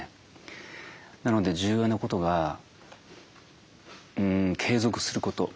なので重要なことが継続すること。